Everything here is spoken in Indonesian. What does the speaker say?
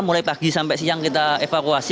mulai pagi sampai siang kita evakuasi